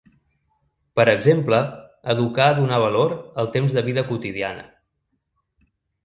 Per exemple, educar a donar valor al temps de vida quotidiana.